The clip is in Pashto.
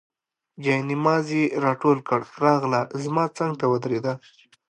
جاینماز یې راټول کړ، راغله زما څنګ ته ودرېده.